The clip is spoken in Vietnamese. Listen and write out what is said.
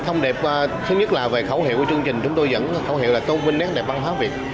thông điệp thứ nhất là về khẩu hiệu của chương trình chúng tôi dẫn khẩu hiệu là tô minh nét đại văn hóa việt